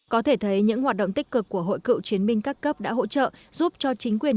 có thể thấy những hoạt động tích cực của hội cựu chiến binh các cấp đã hỗ trợ giúp cho chính quyền